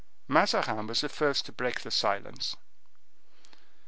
Mazarin was the first to break the silence.